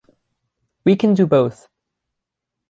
We can do both.